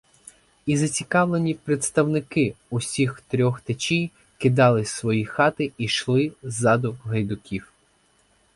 І зацікавлені представники усіх трьох течій кидали свої хати і йшли ззаду гайдуків.